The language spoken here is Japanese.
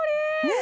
ね！